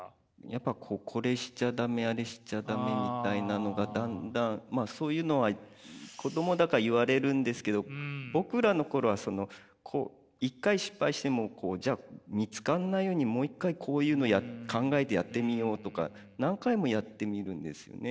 やっぱこれしちゃダメあれしちゃダメみたいなのがだんだんそういうのは子供だから言われるんですけど僕らの頃は一回失敗してもじゃあ見つからないようにもう一回こういうの考えてやってみようとか何回もやってみるんですよね。